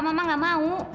mama nggak mau